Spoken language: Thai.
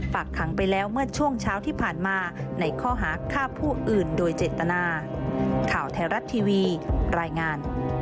ฝากขังไปแล้วเมื่อช่วงเช้าที่ผ่านมาในข้อหาฆ่าผู้อื่นโดยเจตนา